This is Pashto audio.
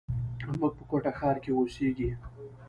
موږ په کوټه ښار کښي اوسېږي.